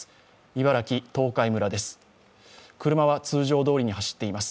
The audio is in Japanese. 茨城・東海村です。